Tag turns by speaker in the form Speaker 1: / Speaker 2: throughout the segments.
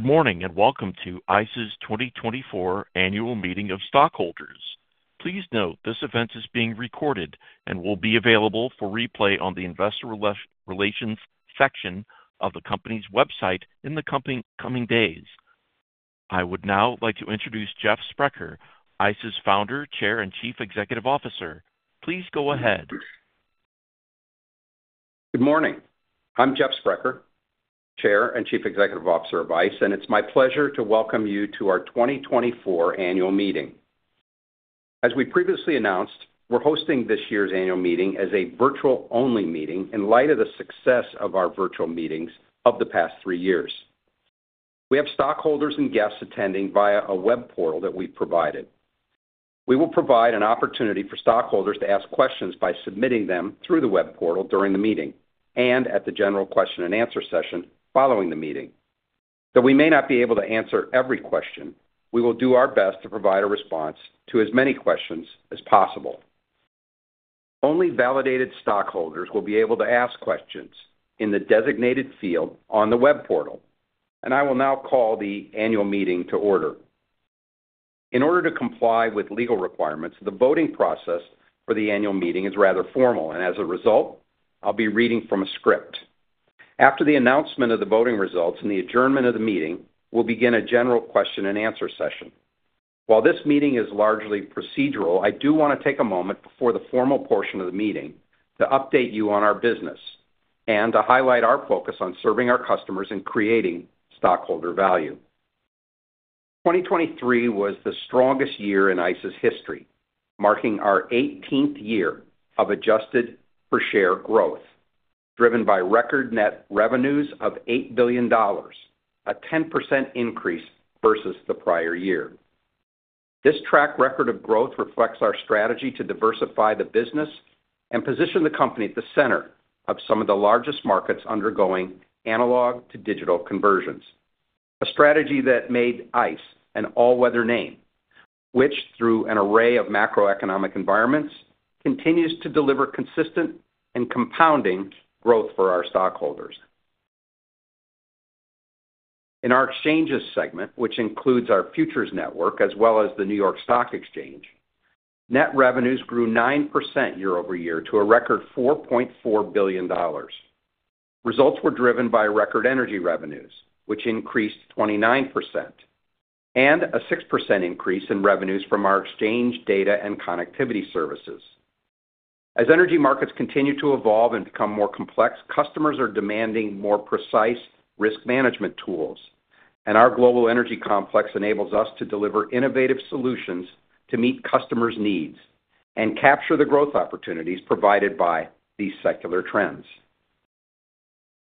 Speaker 1: Good morning, and welcome to ICE's 2024 Annual Meeting of Stockholders. Please note, this event is being recorded and will be available for replay on the investor relations section of the company's website in the coming days. I would now like to introduce Jeff Sprecher, ICE's Founder, Chair, and Chief Executive Officer. Please go ahead.
Speaker 2: Good morning. I'm Jeff Sprecher, Chair and Chief Executive Officer of ICE, and it's my pleasure to welcome you to our 2024 annual meeting. As we previously announced, we're hosting this year's annual meeting as a virtual-only meeting in light of the success of our virtual meetings of the past three years. We have stockholders and guests attending via a web portal that we've provided. We will provide an opportunity for stockholders to ask questions by submitting them through the web portal during the meeting and at the general question-and-answer session following the meeting. Though we may not be able to answer every question, we will do our best to provide a response to as many questions as possible. Only validated stockholders will be able to ask questions in the designated field on the web portal, and I will now call the annual meeting to order. In order to comply with legal requirements, the voting process for the annual meeting is rather formal, and as a result, I'll be reading from a script. After the announcement of the voting results and the adjournment of the meeting, we'll begin a general question-and-answer session. While this meeting is largely procedural, I do wanna take a moment before the formal portion of the meeting to update you on our business and to highlight our focus on serving our customers and creating stockholder value. 2023 was the strongest year in ICE's history, marking our 18th year of adjusted per-share growth, driven by record net revenues of $8 billion, a 10% increase versus the prior year. This track record of growth reflects our strategy to diversify the business and position the company at the center of some of the largest markets undergoing analog-to-digital conversions. A strategy that made ICE an all-weather name, which, through an array of macroeconomic environments, continues to deliver consistent and compounding growth for our stockholders. In our exchanges segment, which includes our futures network as well as the New York Stock Exchange, net revenues grew 9% year-over-year to a record $4.4 billion. Results were driven by record energy revenues, which increased 29%, and a 6% increase in revenues from our exchange data and connectivity services. As energy markets continue to evolve and become more complex, customers are demanding more precise risk management tools, and our global energy complex enables us to deliver innovative solutions to meet customers' needs and capture the growth opportunities provided by these secular trends.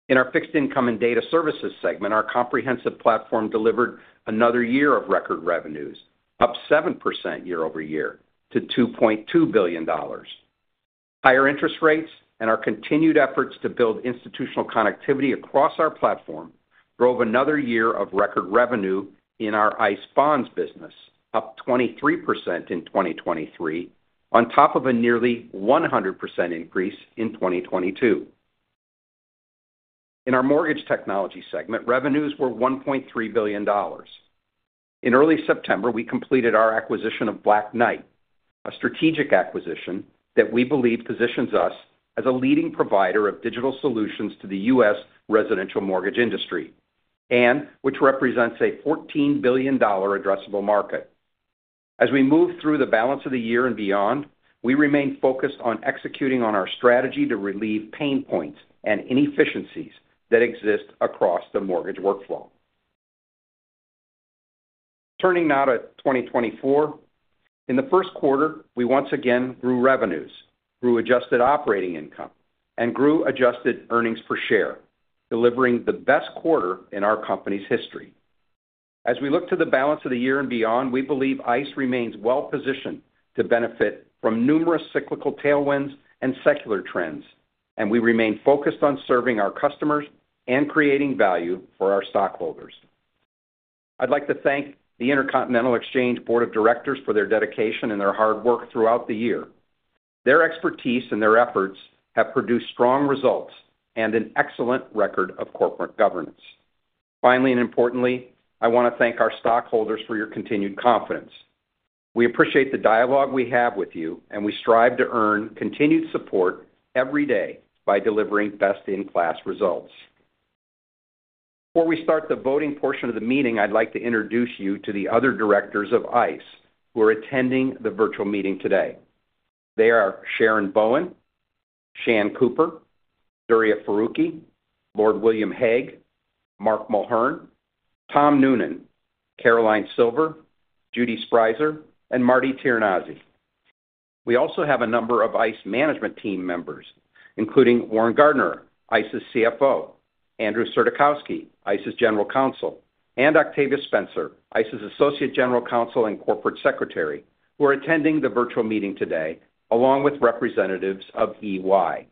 Speaker 2: In our fixed income and data services segment, our comprehensive platform delivered another year of record revenues, up 7% year-over-year to $2.2 billion. Higher interest rates and our continued efforts to build institutional connectivity across our platform drove another year of record revenue in our ICE Bonds business, up 23% in 2023, on top of a nearly 100% increase in 2022. In our mortgage technology segment, revenues were $1.3 billion. In early September, we completed our acquisition of Black Knight, a strategic acquisition that we believe positions us as a leading provider of digital solutions to the U.S. residential mortgage industry, and which represents a $14 billion addressable market. As we move through the balance of the year and beyond, we remain focused on executing on our strategy to relieve pain points and inefficiencies that exist across the mortgage workflow. Turning now to 2024. In the first quarter, we once again grew revenues, grew adjusted operating income, and grew adjusted earnings per share, delivering the best quarter in our company's history. As we look to the balance of the year and beyond, we believe ICE remains well-positioned to benefit from numerous cyclical tailwinds and secular trends, and we remain focused on serving our customers and creating value for our stockholders. I'd like to thank the Intercontinental Exchange Board of Directors for their dedication and their hard work throughout the year. Their expertise and their efforts have produced strong results and an excellent record of corporate governance. Finally, and importantly, I wanna thank our stockholders for your continued confidence. We appreciate the dialogue we have with you, and we strive to earn continued support every day by delivering best-in-class results. Before we start the voting portion of the meeting, I'd like to introduce you to the other directors of ICE, who are attending the virtual meeting today. They are Sharon Bowen, Shantella Cooper, Duriya Farooqi, Lord William Hague, Mark Mulhern, Tom Noonan, Caroline Silver, Judith Sprieser, and Martha Tirinnanzi. We also have a number of ICE management team members, including Warren Gardiner, ICE's CFO, Andrew Surdykowski, ICE's General Counsel, and Octavia Spencer, ICE's Associate General Counsel and Corporate Secretary, who are attending the virtual meeting today, along with representatives of EY.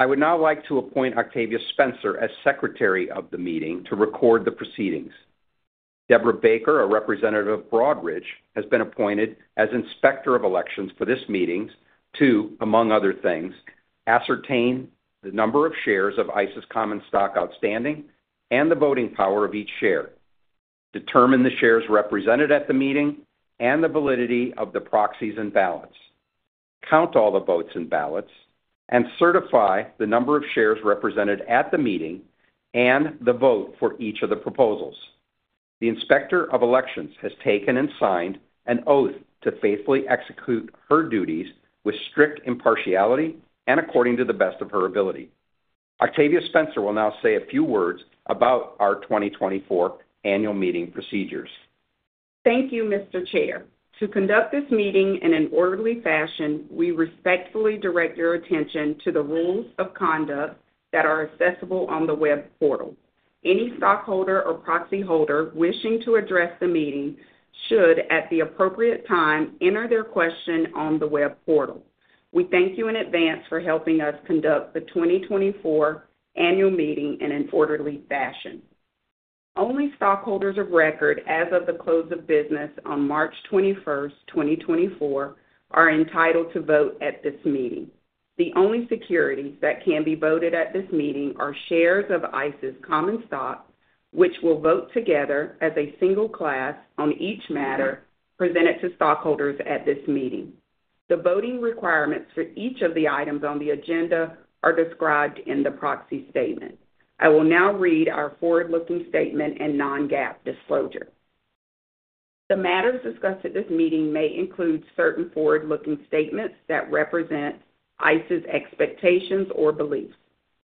Speaker 2: I would now like to appoint Octavia Spencer as Secretary of the meeting to record the proceedings. Deborah Baker, a representative of Broadridge, has been appointed as Inspector of Elections for this meeting to, among other things, ascertain the number of shares of ICE's common stock outstanding and the voting power of each share, determine the shares represented at the meeting, and the validity of the proxies and ballots, count all the votes and ballots, and certify the number of shares represented at the meeting and the vote for each of the proposals. The Inspector of Elections has taken and signed an oath to faithfully execute her duties with strict impartiality and according to the best of her ability. Octavia Spencer will now say a few words about our 2024 annual meeting procedures.
Speaker 3: Thank you, Mr. Chair. To conduct this meeting in an orderly fashion, we respectfully direct your attention to the rules of conduct that are accessible on the web portal. Any stockholder or proxy holder wishing to address the meeting should, at the appropriate time, enter their question on the web portal. We thank you in advance for helping us conduct the 2024 annual meeting in an orderly fashion. Only stockholders of record as of the close of business on March 21st, 2024, are entitled to vote at this meeting. The only securities that can be voted at this meeting are shares of ICE's common stock, which will vote together as a single class on each matter presented to stockholders at this meeting. The voting requirements for each of the items on the agenda are described in the proxy statement. I will now read our forward-looking statement and non-GAAP disclosure. The matters discussed at this meeting may include certain forward-looking statements that represent ICE's expectations or beliefs.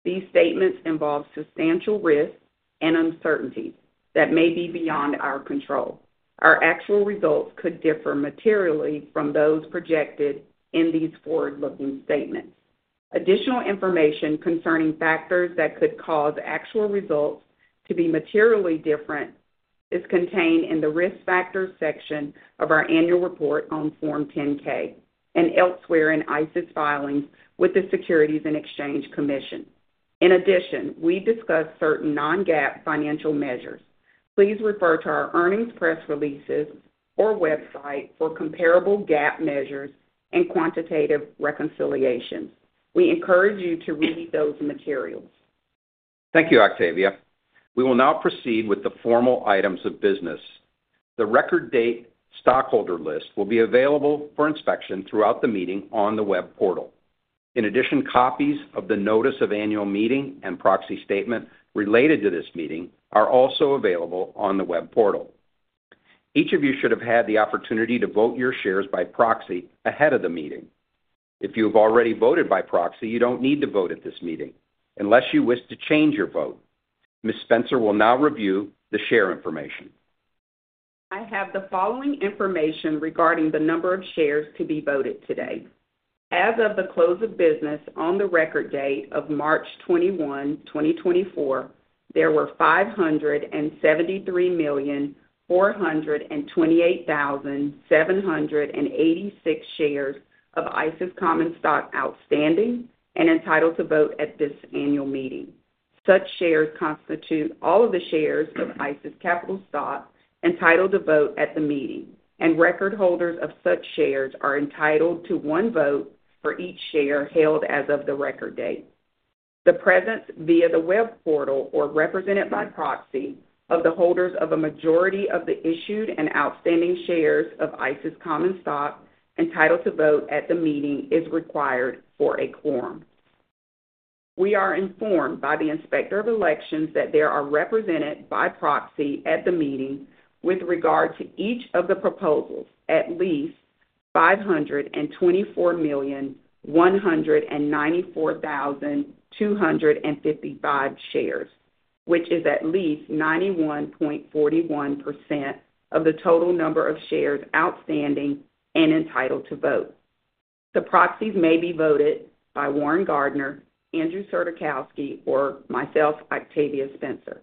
Speaker 3: These statements involve substantial risks and uncertainties that may be beyond our control. Our actual results could differ materially from those projected in these forward-looking statements. Additional information concerning factors that could cause actual results to be materially different is contained in the Risk Factors section of our annual report on Form 10-K and elsewhere in ICE's filings with the Securities and Exchange Commission. In addition, we discuss certain non-GAAP financial measures. Please refer to our earnings press releases or website for comparable GAAP measures and quantitative reconciliations. We encourage you to read those materials.
Speaker 2: Thank you, Octavia. We will now proceed with the formal items of business. The record date stockholder list will be available for inspection throughout the meeting on the web portal. In addition, copies of the notice of annual meeting and proxy statement related to this meeting are also available on the web portal. Each of you should have had the opportunity to vote your shares by proxy ahead of the meeting. If you have already voted by proxy, you don't need to vote at this meeting unless you wish to change your vote. Ms. Spencer will now review the share information.
Speaker 3: I have the following information regarding the number of shares to be voted today. As of the close of business on the record date of March 21, 2024, there were 573,428,786 shares of ICE's common stock outstanding and entitled to vote at this annual meeting. Such shares constitute all of the shares of ICE's capital stock entitled to vote at the meeting, and record holders of such shares are entitled to one vote for each share held as of the record date. The presence via the web portal or represented by proxy of the holders of a majority of the issued and outstanding shares of ICE's common stock entitled to vote at the meeting, is required for a quorum. We are informed by the Inspector of Elections that there are represented by proxy at the meeting, with regard to each of the proposals, at least 524,194,255 shares, which is at least 91.41% of the total number of shares outstanding and entitled to vote. The proxies may be voted by Warren Gardiner, Andrew Surdykowski, or myself, Octavia Spencer.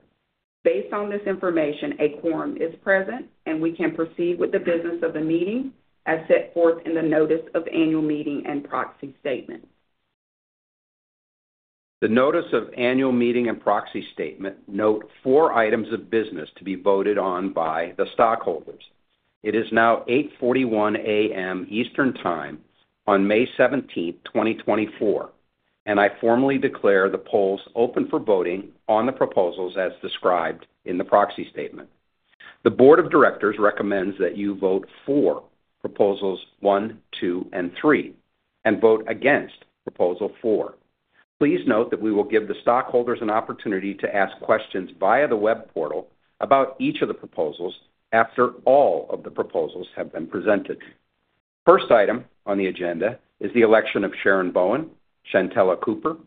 Speaker 3: Based on this information, a quorum is present, and we can proceed with the business of the meeting as set forth in the notice of annual meeting and proxy statement.
Speaker 2: The notice of annual meeting and proxy statement note four items of business to be voted on by the stockholders. It is now 8:41 A.M. Eastern Time on May seventeenth, 2024, and I formally declare the polls open for voting on the proposals as described in the proxy statement. The board of directors recommends that you vote for Proposals One, Two, and Three, and vote against Proposal Four. Please note that we will give the stockholders an opportunity to ask questions via the web portal about each of the proposals after all of the proposals have been presented. First item on the agenda is the election of Sharon Bowen, Shantella Cooper,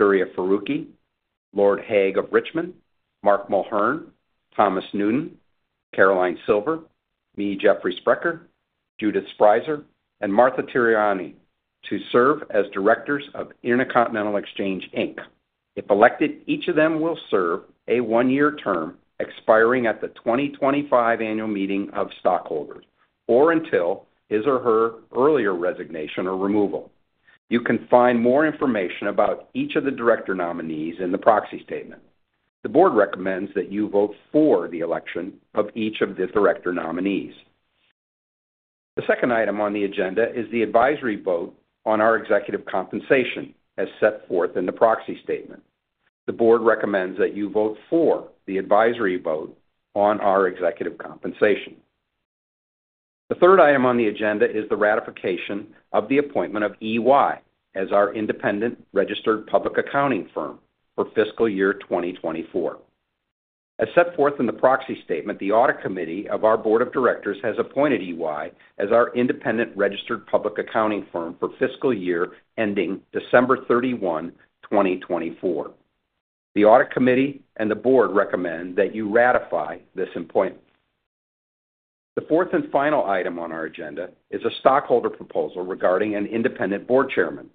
Speaker 2: Duriya Farooqi, Lord Hague of Richmond, Mark Mulhern, Thomas Noonan, Caroline Silver, me, Jeffrey Sprecher, Judith Sprieser, and Martha Tirinnanzi to serve as directors of Intercontinental Exchange, Inc. If elected, each of them will serve a one-year term expiring at the 2025 annual meeting of stockholders, or until his or her earlier resignation or removal. You can find more information about each of the director nominees in the proxy statement. The board recommends that you vote for the election of each of the director nominees. The second item on the agenda is the advisory vote on our executive compensation, as set forth in the proxy statement. The board recommends that you vote for the advisory vote on our executive compensation. The third item on the agenda is the ratification of the appointment of EY as our independent registered public accounting firm for fiscal year 2024. As set forth in the proxy statement, the audit committee of our board of directors has appointed EY as our independent registered public accounting firm for fiscal year ending December 31, 2024. The audit committee and the board recommend that you ratify this appointment. The fourth and final item on our agenda is a stockholder proposal regarding an independent board chairman.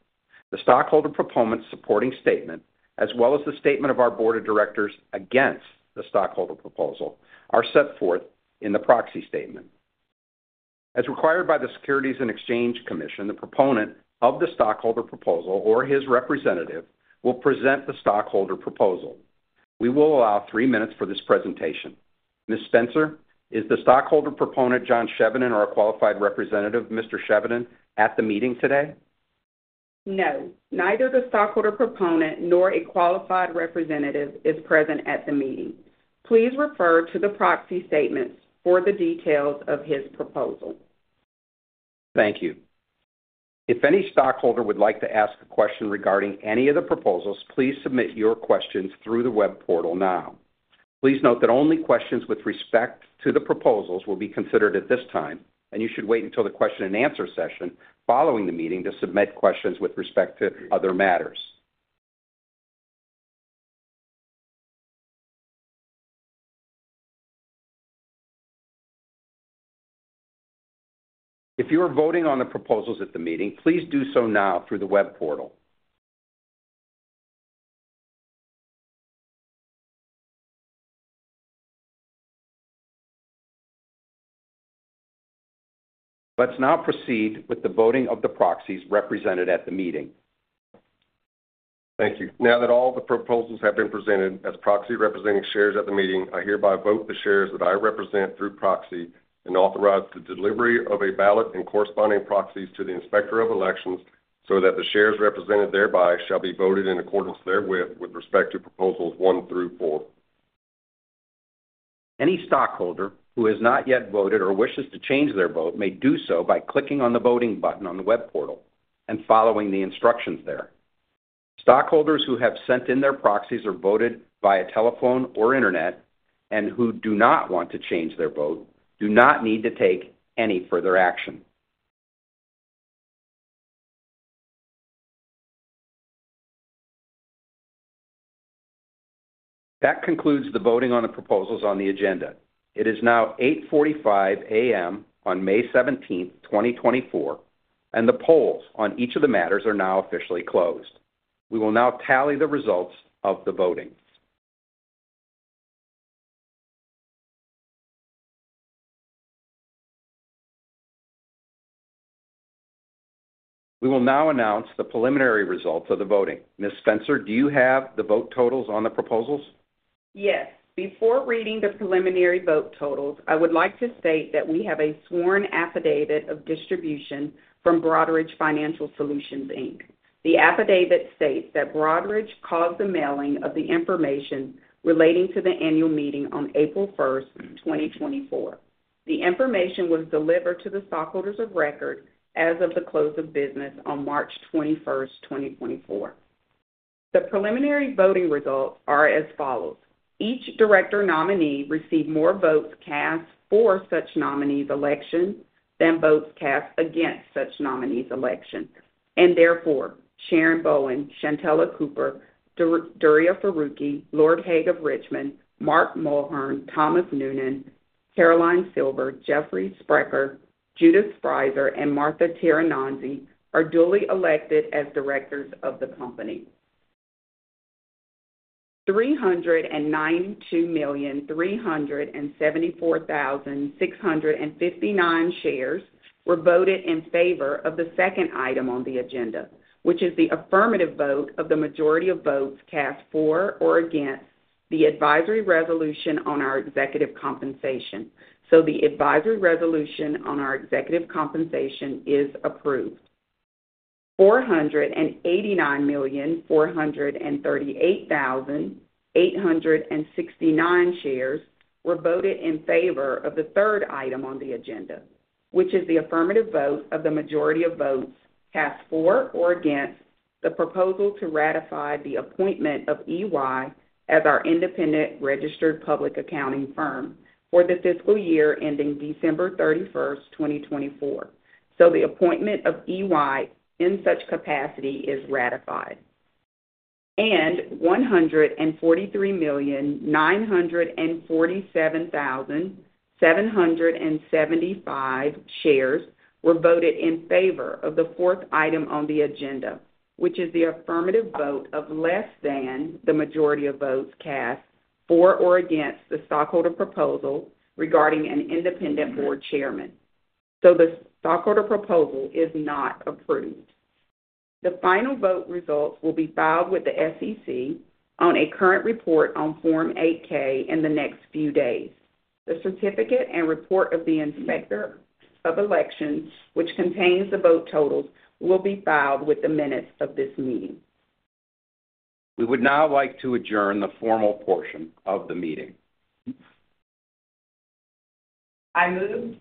Speaker 2: The stockholder proponent supporting statement, as well as the statement of our board of directors against the stockholder proposal, are set forth in the proxy statement. As required by the Securities and Exchange Commission, the proponent of the stockholder proposal or his representative will present the stockholder proposal. We will allow three minutes for this presentation. Ms. Spencer, is the stockholder proponent, John Chevedden, or a qualified representative, Mr. Chevedden, at the meeting today?
Speaker 3: No, neither the stockholder proponent nor a qualified representative is present at the meeting. Please refer to the proxy statements for the details of his proposal.
Speaker 2: Thank you. If any stockholder would like to ask a question regarding any of the proposals, please submit your questions through the web portal now. Please note that only questions with respect to the proposals will be considered at this time, and you should wait until the question-and-answer session following the meeting to submit questions with respect to other matters. If you are voting on the proposals at the meeting, please do so now through the web portal. Let's now proceed with the voting of the proxies represented at the meeting.
Speaker 4: Thank you. Now that all the proposals have been presented as proxy representing shares at the meeting, I hereby vote the shares that I represent through proxy and authorize the delivery of a ballot and corresponding proxies to the Inspector of Elections, so that the shares represented thereby shall be voted in accordance therewith with respect to Proposals one through four.
Speaker 2: Any stockholder who has not yet voted or wishes to change their vote may do so by clicking on the voting button on the web portal and following the instructions there. Stockholders who have sent in their proxies or voted via telephone or internet, and who do not want to change their vote, do not need to take any further action. That concludes the voting on the proposals on the agenda. It is now 8:45 A.M. on May 17, 2024, and the polls on each of the matters are now officially closed. We will now tally the results of the voting. We will now announce the preliminary results of the voting. Ms. Spencer, do you have the vote totals on the proposals?
Speaker 3: Yes. Before reading the preliminary vote totals, I would like to state that we have a sworn affidavit of distribution from Broadridge Financial Solutions, Inc. The affidavit states that Broadridge caused the mailing of the information relating to the annual meeting on April 1st, 2024. The information was delivered to the stockholders of record as of the close of business on March 21st, 2024. The preliminary voting results are as follows: Each director nominee received more votes cast for such nominee's election than votes cast against such nominee's election, and therefore, Sharon Bowen, Shantella Cooper, Duriya Farooqi, Lord Hague of Richmond, Mark Mulhern, Thomas Noonan, Caroline Silver, Jeffrey Sprecher, Judith Sprieser, and Martha Tirinnanzi, are duly elected as directors of the company. 392,374,659 shares were voted in favor of the second item on the agenda, which is the affirmative vote of the majority of votes cast for or against the advisory resolution on our executive compensation, so the advisory resolution on our executive compensation is approved. 489,438,869 shares were voted in favor of the third item on the agenda, which is the affirmative vote of the majority of votes cast for or against the proposal to ratify the appointment of EY as our independent registered public accounting firm for the fiscal year ending December 31, 2024. So the appointment of EY in such capacity is ratified. 143,947,775 shares were voted in favor of the fourth item on the agenda, which is the affirmative vote of less than the majority of votes cast for or against the stockholder proposal regarding an independent board chairman. So the stockholder proposal is not approved. The final vote results will be filed with the SEC on a current report on Form 8-K in the next few days. The certificate and report of the Inspector of Elections, which contains the vote totals, will be filed with the minutes of this meeting.
Speaker 2: We would now like to adjourn the formal portion of the meeting.
Speaker 3: I move,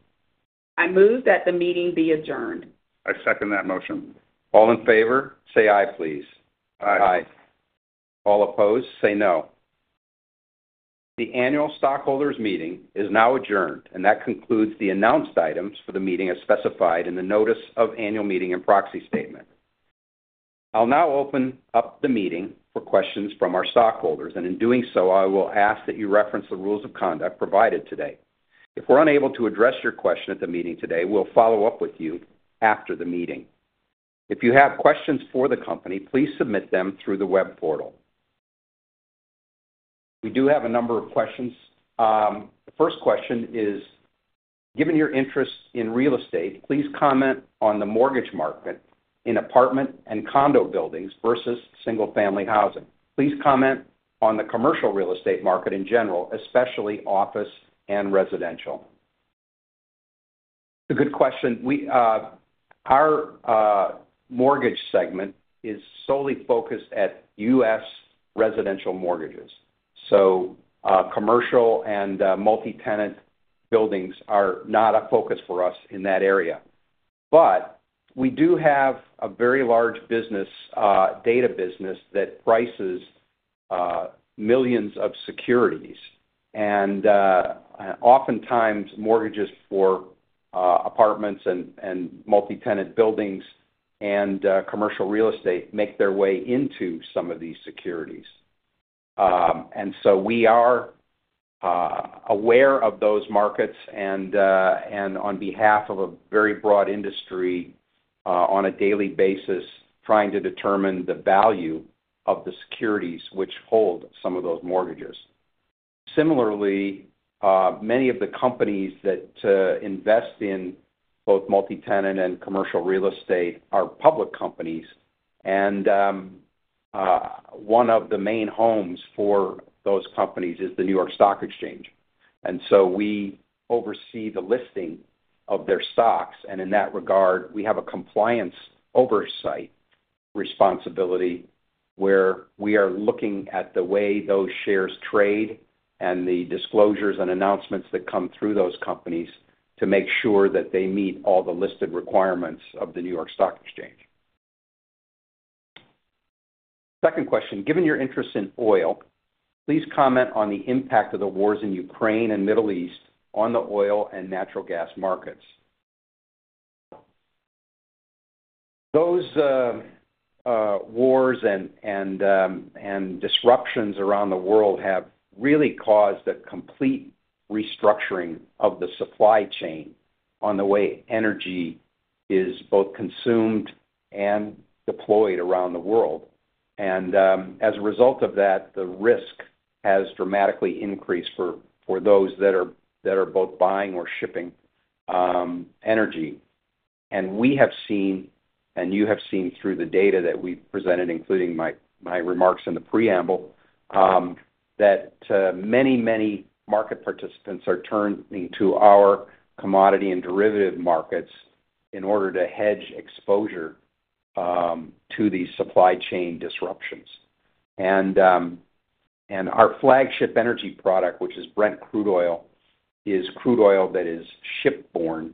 Speaker 3: I move that the meeting be adjourned.
Speaker 2: I second that motion. All in favor say aye, please. Aye.
Speaker 3: Aye.
Speaker 2: All opposed say no. The annual stockholders meeting is now adjourned, and that concludes the announced items for the meeting as specified in the notice of annual meeting and proxy statement. I'll now open up the meeting for questions from our stockholders, and in doing so, I will ask that you reference the rules of conduct provided today. If we're unable to address your question at the meeting today, we'll follow up with you after the meeting. If you have questions for the company, please submit them through the web portal. We do have a number of questions. The first question is: Given your interest in real estate, please comment on the mortgage market in apartment and condo buildings versus single-family housing. Please comment on the commercial real estate market in general, especially office and residential. A good question. Our mortgage segment is solely focused at U.S. residential mortgages, so commercial and multi-tenant buildings are not a focus for us in that area. But we do have a very large data business that prices millions of securities, and oftentimes mortgages for apartments and multi-tenant buildings and commercial real estate make their way into some of these securities. And so we are aware of those markets and on behalf of a very broad industry on a daily basis trying to determine the value of the securities which hold some of those mortgages. Similarly, many of the companies that invest in both multi-tenant and commercial real estate are public companies, and one of the main homes for those companies is the New York Stock Exchange. And so we oversee the listing of their stocks, and in that regard, we have a compliance oversight responsibility, where we are looking at the way those shares trade and the disclosures and announcements that come through those companies to make sure that they meet all the listed requirements of the New York Stock Exchange. Second question: Given your interest in oil, please comment on the impact of the wars in Ukraine and Middle East on the oil and natural gas markets. Those wars and disruptions around the world have really caused a complete restructuring of the supply chain on the way energy is both consumed and deployed around the world. And, as a result of that, the risk has dramatically increased for those that are both buying or shipping energy. We have seen, and you have seen through the data that we presented, including my remarks in the preamble, that many market participants are turning to our commodity and derivative markets in order to hedge exposure to these supply chain disruptions. Our flagship energy product, which is Brent Crude Oil, is crude oil that is shipborne.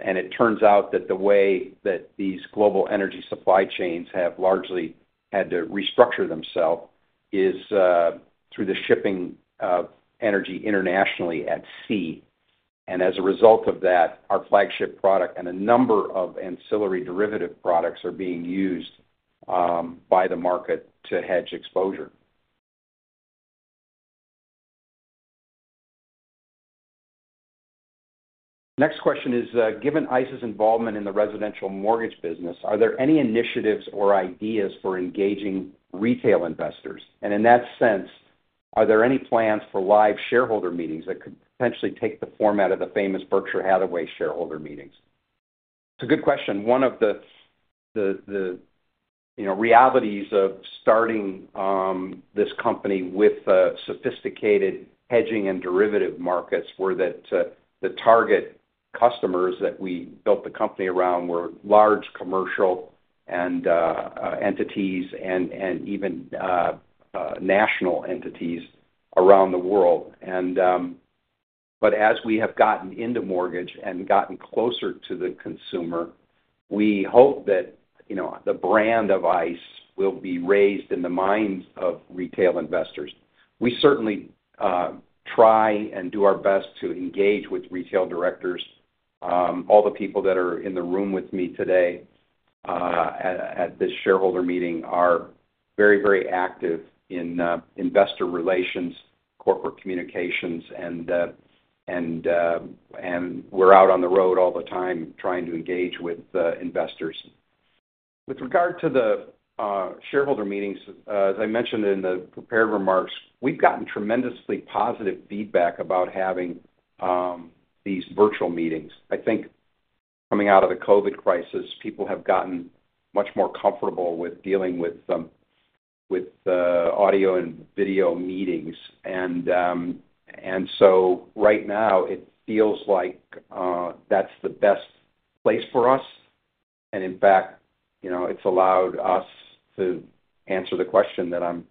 Speaker 2: It turns out that the way that these global energy supply chains have largely had to restructure themselves is through the shipping of energy internationally at sea. As a result of that, our flagship product and a number of ancillary derivative products are being used by the market to hedge exposure. Next question is: Given ICE's involvement in the residential mortgage business, are there any initiatives or ideas for engaging retail investors? And in that sense, are there any plans for live shareholder meetings that could potentially take the format of the famous Berkshire Hathaway shareholder meetings? It's a good question. One of the, you know, realities of starting this company with sophisticated hedging and derivative markets were that the target customers that we built the company around were large commercial and entities and even national entities around the world. But as we have gotten into mortgage and gotten closer to the consumer, we hope that, you know, the brand of ICE will be raised in the minds of retail investors. We certainly try and do our best to engage with retail directors. All the people that are in the room with me today at this shareholder meeting are very, very active in investor relations, corporate communications, and we're out on the road all the time trying to engage with the investors. With regard to the shareholder meetings, as I mentioned in the prepared remarks, we've gotten tremendously positive feedback about having these virtual meetings. I think coming out of the COVID crisis, people have gotten much more comfortable with dealing with audio and video meetings. So right now, it feels like that's the best place for us. In fact, you know, it's allowed us to answer the question that I'm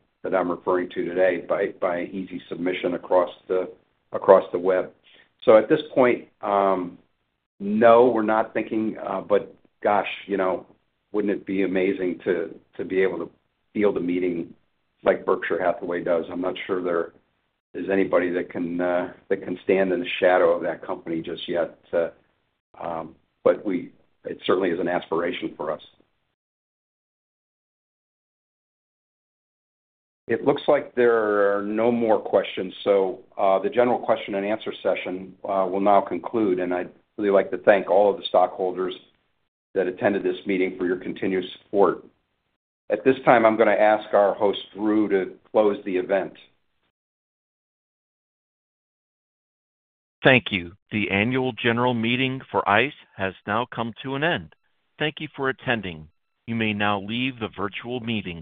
Speaker 2: referring to today by easy submission across the web. So at this point, no, we're not thinking, but gosh, you know, wouldn't it be amazing to be able to field a meeting like Berkshire Hathaway does? I'm not sure there is anybody that can stand in the shadow of that company just yet. But it certainly is an aspiration for us. It looks like there are no more questions. So, the general question and answer session will now conclude, and I'd really like to thank all of the stockholders that attended this meeting for your continued support. At this time, I'm gonna ask our host, Drew, to close the event.
Speaker 1: Thank you. The annual general meeting for ICE has now come to an end. Thank you for attending. You may now leave the virtual meeting.